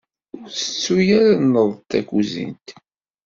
Ur tettuy ara nneḍ-d takuzint.